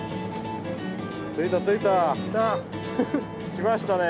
来ましたね！